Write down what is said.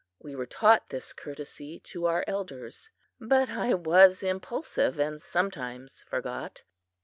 We were taught this courtesy to our elders, but I was impulsive and sometimes forgot.